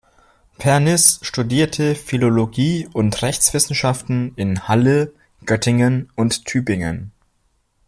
Pernice studierte Philologie und Rechtswissenschaften in Halle, Göttingen und Tübingen.